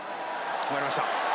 決まりました。